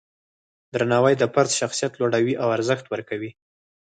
درناوی د فرد شخصیت لوړوي او ارزښت ورکوي.